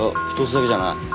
１つだけじゃない。